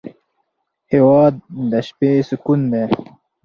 هېواد د شپې سکون دی.